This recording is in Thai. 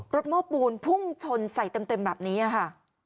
โม้ปูนพุ่งชนใส่เต็มแบบนี้ค่ะ